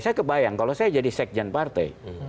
saya kebayang kalau saya jadi sekjen partai